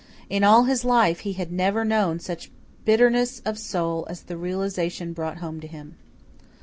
In all his life he had never known such bitterness of soul as the realization brought home to him.